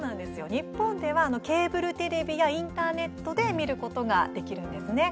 日本では、ケーブルテレビやインターネットで見ることができるんですね。